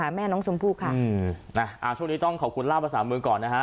มาหาแม่น้องชมพู่ค่ะอ่าช่วงนี้ต้องขอบคุณลาบอสามือก่อนนะคะ